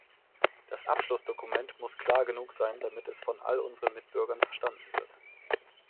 Das Abschlussdokument muss klar genug sein, damit es von all unseren Mitbürgern verstanden wird.